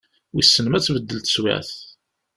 Wissen ma ad tbeddel teswiɛt?